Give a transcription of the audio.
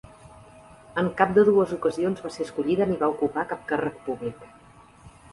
En cap de dues ocasions va ser escollida ni va ocupar cap càrrec públic.